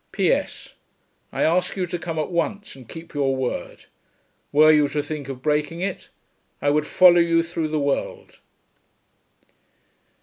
P.S. I ask you to come at once and keep your word. Were you to think of breaking it, I would follow you through the world.